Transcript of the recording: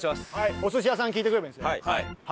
お寿司屋さん聞いてくればいいんですよね？